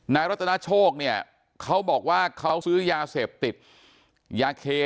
นายรัตนาโชกเขาบอกว่าเขาซื้อยาเสพติดยาเค